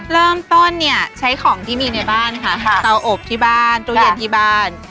เริ่มต้นเนี่ยใช้ของที่มีในบ้านค่ะเตาอบที่บ้านตู้เย็นที่บ้าน